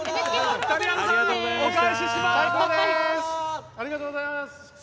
お返しします。